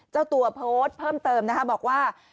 เจ้าตัวโพสต์เพิ่มเติมนะคะบอกว่า